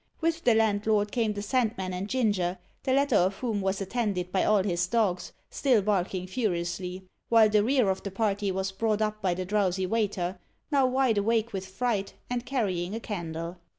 With the landlord came the Sandman and Ginger, the latter of whom was attended by all his dogs, still barking furiously; while the rear of the party was brought up by the drowsy waiter, now wide awake with fright, and carrying a candle.